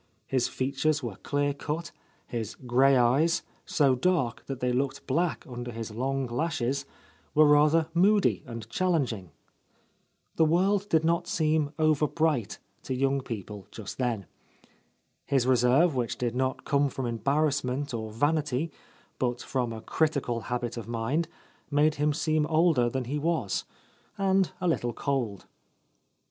His features were clear cut, his grey eyes, so dark that they looked black under his long lashes, were rather moody and challenging. The world did not seem over bright to young people just then. His reserve, which did not come from A Lost Lady embarrassment or vanity, but from a critical habit of mind, made him seem older than he was, and a little cold.